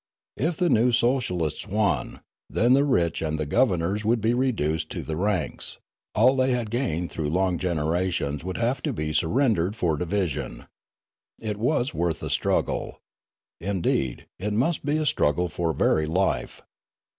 If the new socialists won, then the rich and the governors would be reduced to the ranks ; all they had gained through long genera tions would have to be surrendered for division. It was worth a struggle. Indeed, it must be a struggle for very life.